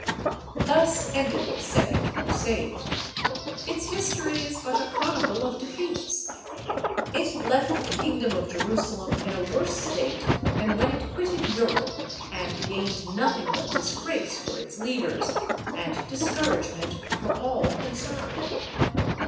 Thus ended the second Crusade. Its history is but a chronicle of defeats. It left the kingdom of Jerusalem in a worse state than when it quitted Europe, and gained nothing but disgrace for its leaders, and discouragement for all concerned.